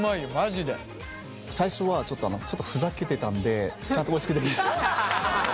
最初はちょっとふざけてたんでちゃんとおいしくできるか。